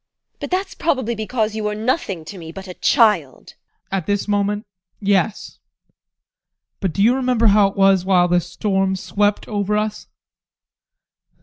But that's probably because you are nothing to me but a child. ADOLPH. At this moment, yes. But do you remember how it was while the storm swept over us?